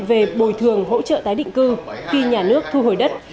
về bồi thường hỗ trợ tái định cư khi nhà nước thu hồi đất